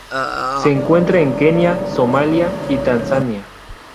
Se encuentra en Kenia Somalia y Tanzania.